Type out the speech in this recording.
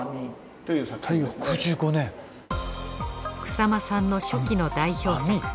草間さんの初期の代表作。